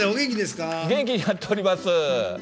元気にやっております。